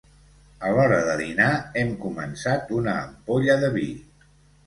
A l'hora de dinar hem començat una ampolla de vi.